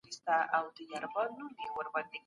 زده کوونکی تمرين کوي او تعليم ژورېږي.